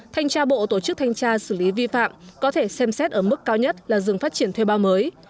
thanh tra bộ tổ chức thanh tra xử lý vi phạm có thể xem xét ở mức cao nhất là dừng phát triển thuê bao mới